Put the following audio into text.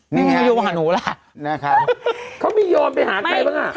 ไม่มีใครโยงไปหาหนูล่ะเขาไม่โยงไปหาใครบ้าง